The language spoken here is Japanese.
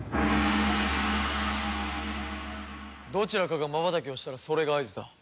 どちらかがまばたきをしたらそれが合図だ。